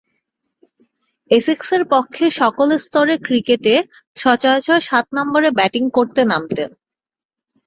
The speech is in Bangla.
এসেক্সের পক্ষে সকল স্তরের ক্রিকেটে সচরাচর সাত নম্বরে ব্যাটিং করতে নামতেন।